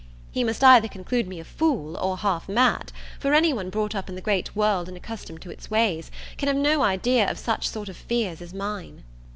He must either conclude me a fool, or half mad; for any one brought up in the great world, and accustomed to its ways, can have no idea of such sort of fears as mine.